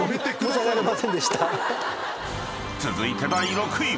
［続いて第６位は］